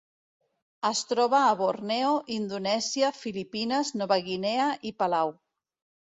Es troba a Borneo, Indonèsia, Filipines, Nova Guinea i Palau.